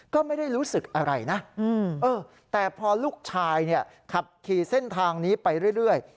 ก็ไม่ได้รู้สึกอะไรนะอืมเออแต่พอลูกชายเนี้ยขับขี่เส้นทางนี้ไปเรื่อยเรื่อย